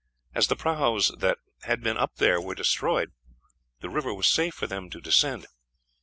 As the prahus that had been up there were destroyed, the river was safe for them to descend.